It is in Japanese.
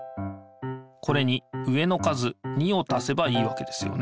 これに上の数２をたせばいいわけですよね。